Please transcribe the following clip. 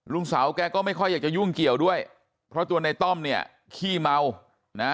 ลูกสาวแกก็ไม่ค่อยอยากจะยุ่งเกี่ยวด้วยเพราะตัวในต้อมเนี่ยขี้เมานะ